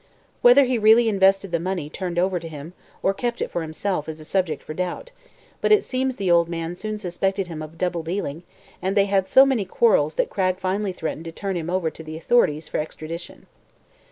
Whether he really invested the money turned over to him, or kept it for himself, is a subject for doubt, but it seems that the old man soon suspected him of double dealing and they had so many quarrels that Cragg finally threatened to turn him over to the authorities for extradition.